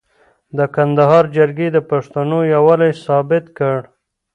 د کندهار جرګې د پښتنو یووالی ثابت کړ.